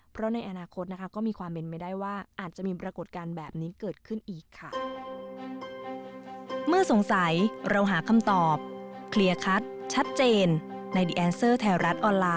เพราะในอนาคตนะคะก็มีความเป็นไม่ได้ว่าอาจจะมีปรากฏการณ์แบบนี้เกิดขึ้นอีกค่ะ